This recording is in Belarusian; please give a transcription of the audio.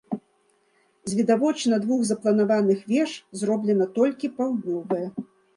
З відавочна двух запланаваных веж зроблена толькі паўднёвая.